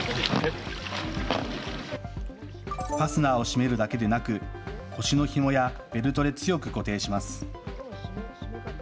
ファスナーを閉めるだけでなく腰のひもやベルトで強く固定します。